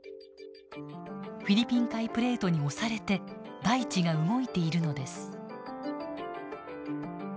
フィリピン海プレートに押されて大地が動いているのです。